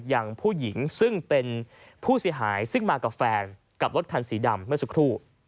อย่างผู้หญิงซึ่งเป็นผู้เสียหายซึ่งมากับแฟนกับรถคันสีดำเมื่อสักครู่